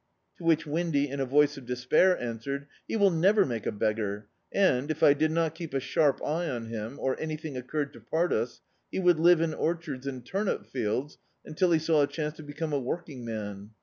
To which Windy, in a voice of despair, answered — "He will never make a beggar and, if I did not keep a sharp eye on him, or anything oc curred to part us, he would live in orchards and tumip fields imtil he saw a diance to become a woildng man.